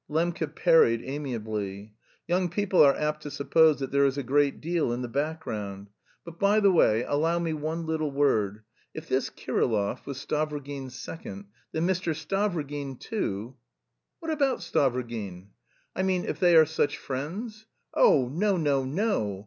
Lembke parried amiably. "Young people are apt to suppose that there is a great deal in the background.... But, by the way, allow me one little word: if this Kirillov was Stavrogin's second, then Mr. Stavrogin too..." "What about Stavrogin?" "I mean, if they are such friends?" "Oh, no, no, no!